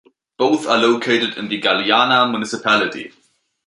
Both are located in the Galeana municipality.